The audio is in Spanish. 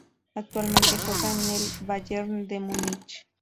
Actualmente juega en el Bayern de Múnich.